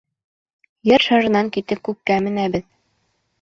Ер шарынан китеп күккә менәбеҙ.